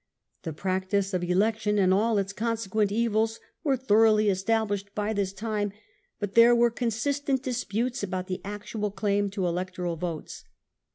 The practice of election and all its consequent evils were thoroughly established by this time, but there were constant disputes about the actual claim to Electoral votes.